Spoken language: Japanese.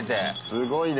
すごいね。